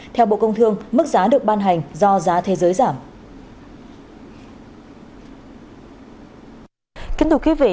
theo bộ công thương mức giá được ban hành do giá thế giới giảm